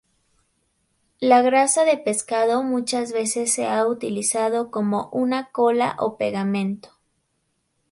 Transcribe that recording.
La grasa de pescado muchas veces se ha utilizado como una "cola" o pegamento.